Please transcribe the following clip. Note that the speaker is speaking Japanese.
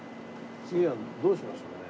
次はどうしましょうね？